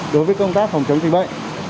đối với công tác phòng chống tình bệnh